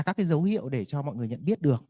các cái dấu hiệu để cho mọi người nhận biết được